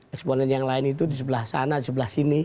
eksponen yang lain itu di sebelah sana di sebelah sini